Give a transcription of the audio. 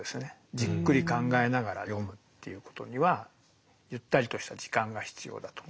じっくり考えながら読むっていうことにはゆったりとした時間が必要だと。